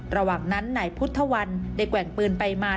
ระหว่างนั้นนายพุทธวันได้แกว่งปืนไปมา